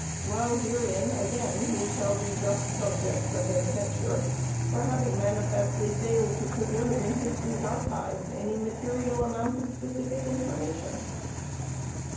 While herein again we shall be just subjects of their censure for having manifestly failed to preserve in history's archives any material amount of specific information.